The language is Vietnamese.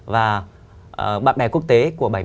và bạn bè quốc tế của